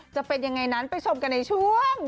จะเป็นยังไงนั้นไปชมกันในช่วง